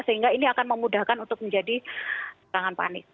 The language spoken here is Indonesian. sehingga ini akan memudahkan untuk menjadi serangan panik